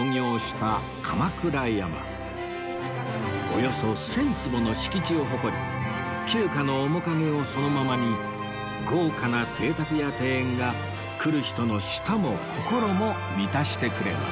およそ１０００坪の敷地を誇り旧家の面影をそのままに豪華な邸宅や庭園が来る人の舌も心も満たしてくれます